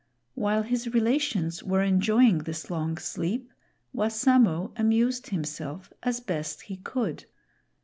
While his relations were enjoying this long sleep, Wassamo amused himself as best he could.